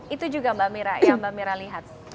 itu juga yang mbak mira lihat